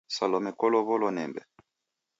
Salome kulow'olwa nembe?